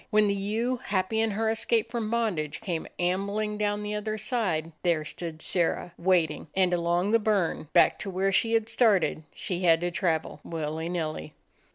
When the ewe, happy in her escape from bondage, came ambling down the othe?r side, there stood Sirrah, waiting; and along the burn, back to where she had started, she had to travel, willy nilly.